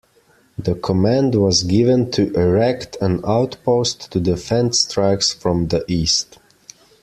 The command was given to erect an outpost to defend strikes from the east.